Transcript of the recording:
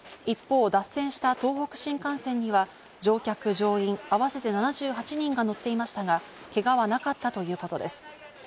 一方、脱線した東北新幹線には乗客乗員合わせて７８人が乗っていましたが、けがはなかったということです。